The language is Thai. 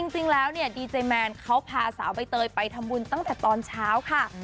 จริงแล้วเนี่ยดีเจแมนเขาพาสาวใบเตยไปทำบุญตั้งแต่ตอนเช้าค่ะ